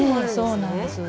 そうなんです。